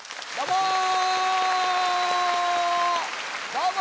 どうも！